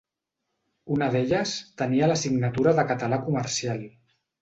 Una d'elles tenia l'assignatura de català comercial.